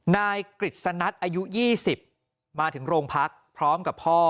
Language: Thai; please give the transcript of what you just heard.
นายกฤษณ์อายุ๒๐มาถึงโรงพักพร้อมกับพ่อ